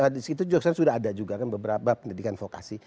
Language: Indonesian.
disitu juga sudah ada juga kan beberapa pendidikan vokasi